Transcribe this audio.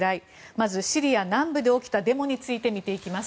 まずシリア南部で起きたデモについて見ていきます。